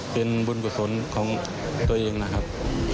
เป็นบุญกุศลของตัวเองนะครับ